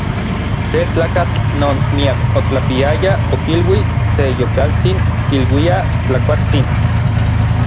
Se tlakatl non miak otlapiaya okilui se yolkatsin kiluiaj Tlakuatsin.